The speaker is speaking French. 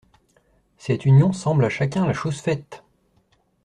Cette union semble à chacun la chose faite!